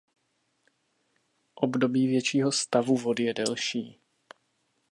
Období většího stavu vody je delší.